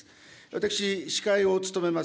私、司会を務めます